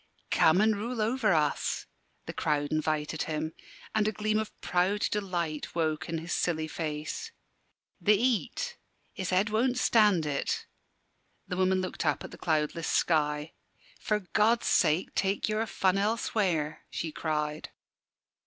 "Come an' rule over us," the crowd invited him, and a gleam of proud delight woke in his silly face. "The heat his head won't stand it." The woman looked up at the cloudless sky. "For God's sake take your fun elsewhere!" she cried.